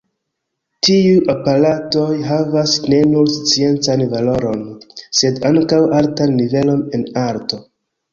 Tiuj aparatoj havas ne nur sciencan valoron, sed ankaŭ altan nivelon en arto.